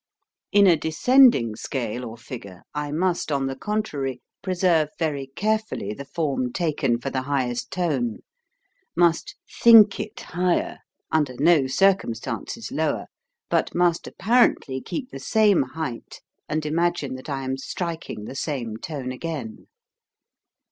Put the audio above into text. In a descending scale or figure I must, on the contrary, preserve very carefully the form taken for the highest tone, must think it higher, under no circumstances lower, but must apparently keep the same height and imagine that I am striking the same tone again.